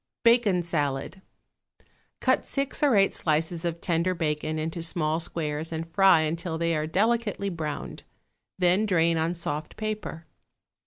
=Bacon Salad.= Cut six or eight slices of tender bacon into small squares and fry until they are delicately browned; then drain on soft paper.